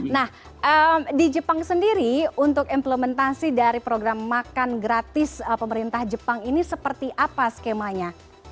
nah di jepang sendiri untuk implementasi dari program makan gratis pemerintah jepang ini seperti apa skemanya